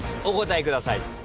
お答えください。